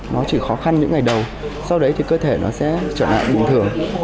nó chỉ khó khăn những ngày đầu sau đấy thì cơ thể nó sẽ trở lại bình thường